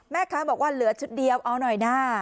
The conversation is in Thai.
แม่ค้าบอกว่าเหลือชุดเดียวเอาหน่อยนะ